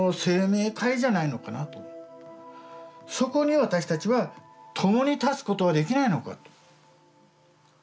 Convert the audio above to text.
そこに私たちは共に立つことはできないのかと。